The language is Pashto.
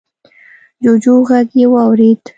جوجو غږ يې واورېد.